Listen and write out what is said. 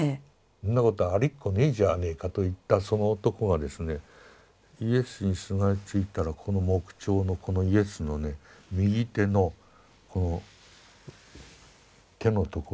そんなことありっこねえじゃねえかと言ったその男がですねイエスにすがりついたらこの木彫のこのイエスのね右手のこの手のところをよく見るとね